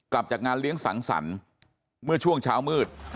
กลับจากงานเลี้ยงสังสรรค์เมื่อช่วงเช้ามืด